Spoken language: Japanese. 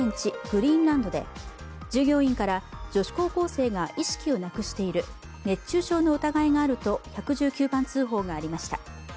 グリーンランドで従業員から、女子高校生が意識をなくしている、熱中症の疑いがあると１１９番通報がありました。